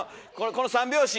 この三拍子！